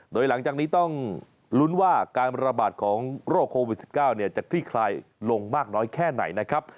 โดยหลังจากนี้ต้องลุ้นว่าการระบาดของโรคโควิด๑๙จะคลี่คลายลงมากน้อยแค่ไหนนะครับ